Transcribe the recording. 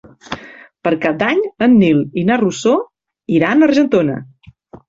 Per Cap d'Any en Nil i na Rosó iran a Argentona.